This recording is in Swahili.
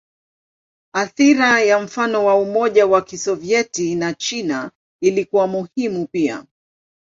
Athira ya mfano wa Umoja wa Kisovyeti na China ilikuwa muhimu pia.